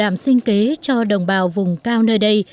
vào đàm sinh kế cho đồng bào vùng cao nơi đây